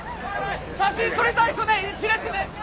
写真撮りたい人ね一列ね！